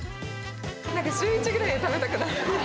週１ぐらいで食べたくなる。